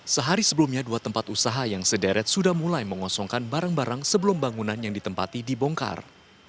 sehari sebelumnya dua tempat usaha yang sederet sudah mulai mengosongkan barang barang sebelum bangunan yang ditempati dibongkar